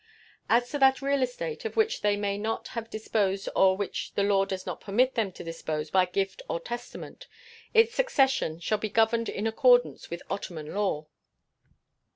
As to that real estate of which they may not have disposed or of which the law does not permit them to dispose by gift or testament, its succession shall be governed in accordance with Ottoman law.